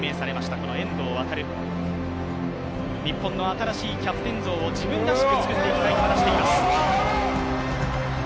この遠藤航、日本の新しいキャプテン像を自分らしく作っていきたいと話しています。